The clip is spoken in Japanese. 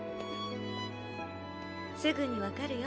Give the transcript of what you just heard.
すぐに分かるよ。